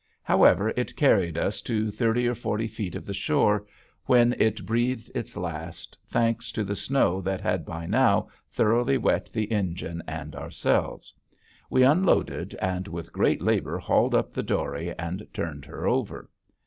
However, it carried us to thirty or forty feet of the shore when it breathed its last, thanks to the snow that had by now thoroughly wet the engine and ourselves. We unloaded and with great labor hauled up the dory and turned her over.